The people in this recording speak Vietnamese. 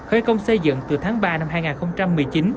khởi công xây dựng từ tháng ba năm hai nghìn một mươi chín